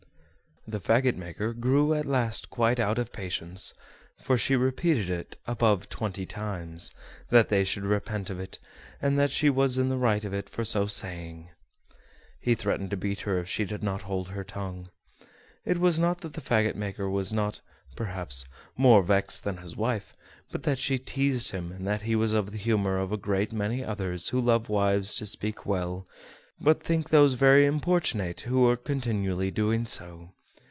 The fagot maker grew at last quite out of patience, for she repeated it above twenty times, that they should repent of it, and that she was in the right of it for so saying. He threatened to beat her if she did not hold her tongue. It was not that the fagot maker was not, perhaps, more vexed than his wife, but that she teased him, and that he was of the humor of a great many others, who love wives to speak well, but think those very importunate who are continually doing so.